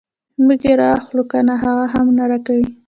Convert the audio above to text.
موږ یې راواخلو کنه هغه هم نه راکوي.